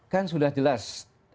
kan sudah jelas